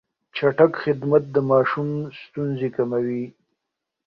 چټک خدمت د ماشوم ستونزې کموي.